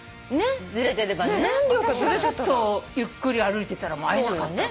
私がちょっとゆっくり歩いてたら会えなかった。